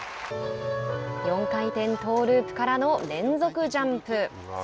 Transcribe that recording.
４回転トーループからの連続ジャンプ。